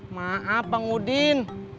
maaf bang udin